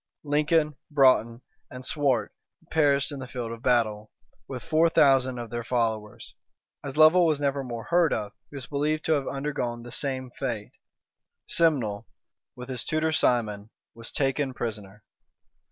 Lincoln, Broughton, and Swart perished in the field of battle, with four thousand of their followers. As Lovel was never more heard of, he was believed to have undergone the same fate; Simnel, with his tutor, Simon, was taken prisoner.